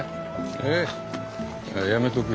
えっやめとくよ。